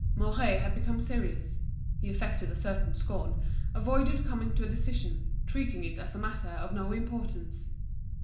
Mouret had become serious; he affected a certain scorn, avoided coming to a decision, treating it as a matter of no importance.